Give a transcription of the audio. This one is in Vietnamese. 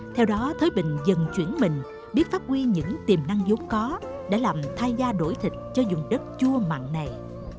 theo đó thới bình dần chuyển mình biết phát huy những tiềm năng dốn có để làm thai gia đổi thịt cho dùng đất chua mặn này